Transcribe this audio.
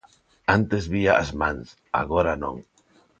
Antes vía as mans, agora non.